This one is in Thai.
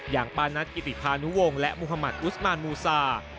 ปานัทกิติพานุวงศ์และมุธมัติอุสมานมูซา